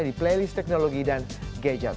di playlist teknologi dan gadget